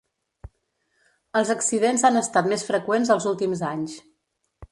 Els accidents han estat més freqüents els últims anys.